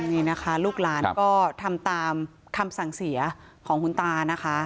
นี่นะคะลูกหลานก็ทำตามคำสั่งเสียของคุณตานะคะ